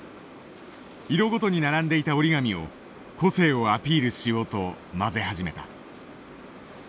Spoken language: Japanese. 色ごとに並んでいた折り紙を個性をアピールしようと交ぜ始めた。